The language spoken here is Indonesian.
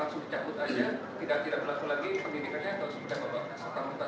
langsung dicabut saja tidak tidak berlaku lagi pendidikannya atau seperti apa pak